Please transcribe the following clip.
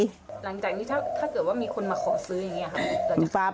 หลังจากนี้ถ้าเกิดว่ามีคนมาขอซื้ออย่างนี้ค่ะ